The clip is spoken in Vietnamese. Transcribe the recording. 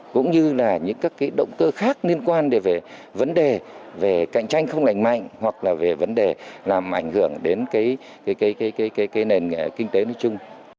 cũng như là những các cái động cơ khác liên quan về vấn đề về cạnh tranh không lành mạnh hoặc là về vấn đề làm ảnh hưởng đến cái nền kinh tế nói chung